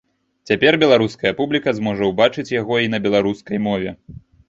Цяпер беларуская публіка зможа ўбачыць яго і на беларускай мове.